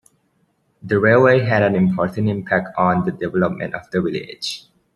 The railway had an important impact on the development of the village.